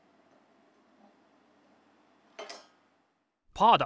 パーだ！